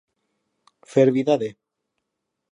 Fer vida de.